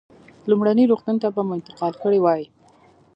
لومړني روغتون ته به مو انتقال کړی وای.